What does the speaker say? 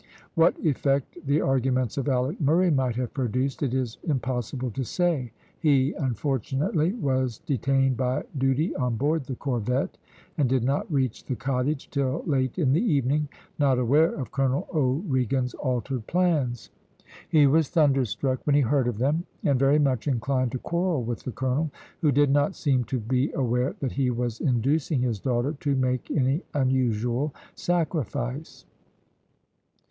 What effect the arguments of Alick Murray might have produced, it is impossible to say. He, unfortunately, was detained by duty on board the corvette, and did not reach the cottage till late in the evening, not aware of Colonel O'Regan's altered plans. He was thunderstruck when he heard of them, and very much inclined to quarrel with the colonel, who did not seem to be aware that he was inducing his daughter to make any unusual sacrifice.